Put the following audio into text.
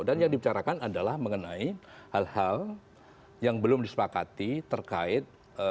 dan yang dibicarakan adalah mengenai hal hal yang belum disepakati terkait